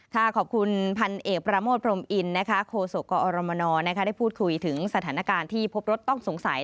ขอบคุณพันเอกประโมทพรมอินโคศกกอรมนได้พูดคุยถึงสถานการณ์ที่พบรถต้องสงสัย